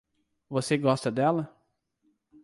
Você gosta dela?